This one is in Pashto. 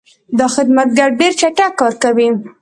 دا خدمتګر ډېر چټک کار کوي.